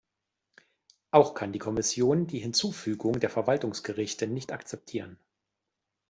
Auch kann die Kommission die Hinzufügung der Verwaltungsgerichte nicht akzeptieren.